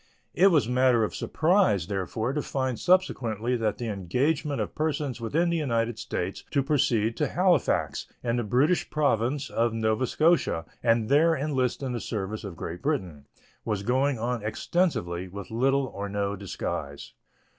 It was matter of surprise, therefore, to find subsequently that the engagement of persons within the United States to proceed to Halifax, in the British Province of Nova Scotia, and there enlist in the service of Great Britain, was going on extensively, with little or no disguise.